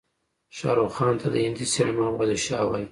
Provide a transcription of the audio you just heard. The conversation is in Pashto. شاروخ خان ته د هندي سينما بادشاه وايې.